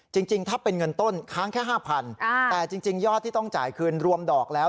จริงถ้าเป็นเงินต้นค้างแค่๕๐๐แต่จริงยอดที่ต้องจ่ายคืนรวมดอกแล้ว